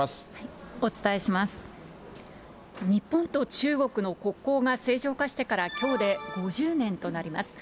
日本と中国の国交が正常化してからきょうで５０年となります。